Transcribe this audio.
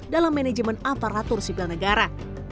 dalam manajemen aparatur sipil negara